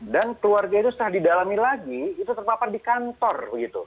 dan keluarga itu setelah didalami lagi itu terpapar di kantor